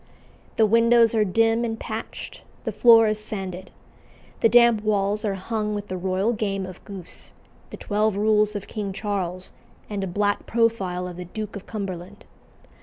The windows are dim and patched; the floor is sanded. The damp walls are hung with the royal game of goose, the twelve rules of King Charles, and a black profile of the Duke of Cumberland.